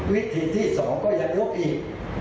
วิธีที่สองก็ยังลุกอีก